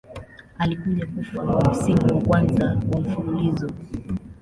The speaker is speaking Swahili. Alikuja kufa wa msimu wa kwanza wa mfululizo.